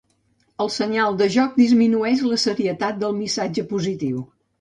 El senyal de joc disminueix la serietat del missatge positiu.